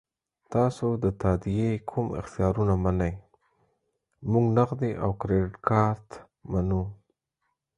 تاسو د تادیې کوم اختیارونه منئ؟ موږ نغدي او کریډیټ کارت منو.